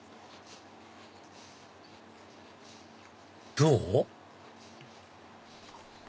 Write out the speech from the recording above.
どう？